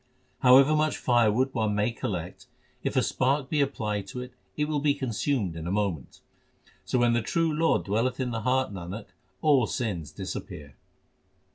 However much firewood one may collect, if a spark be applied to it, it will be consumed in a moment ; So when the true Lord dwelleth in the heart, Nanak, all sins disappear.